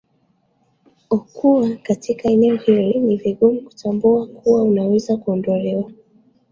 okuwa katika eneo hili ni vigumu kutambua kuwa unaweza kuondolewa